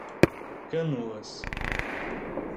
Canoas